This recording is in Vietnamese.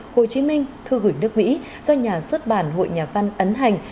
hồ chí minh thư gửi nước mỹ do nhà xuất bản hội nhà văn ấn hành